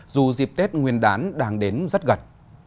dù dịp tết nguyên đán đang đến rất gần